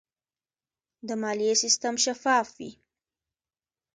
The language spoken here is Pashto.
د مالیې سیستم شفاف وي.